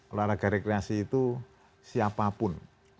olahraga rekreasi itu siapapun